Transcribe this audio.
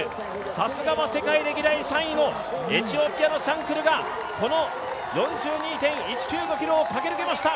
さすがは世界歴代３位のエチオピアのシャンクルがこの４２．１９５ｋｍを駆け抜けました。